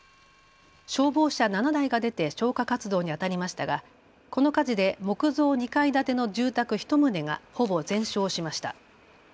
消防車７台が出て消火活動にあたりましたがこの火事で木造２階建ての住宅１棟がほぼ全焼しました。